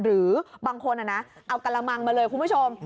หรือบางคนเอากระมังมาเลยคุณผู้ชม